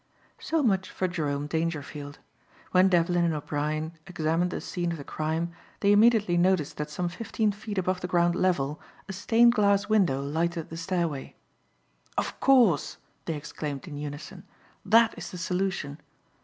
So much for Jerome Dangerfield. When Devlin and O'Brien examined the scene of the crime they immediately noticed that some fifteen feet above the ground level a stained glass window lighted the stairway. "Of course," they exclaimed in unison, "that is the solution."